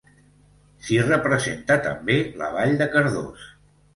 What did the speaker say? S'hi representa també la vall de Cardós.